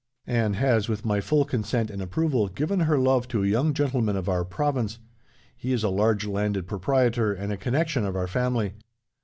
"Anne has, with my full consent and approval, given her love to a young gentleman of our province. He is a large landed proprietor, and a connection of our family.